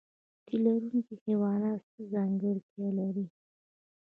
تی لرونکي حیوانات څه ځانګړتیا لري؟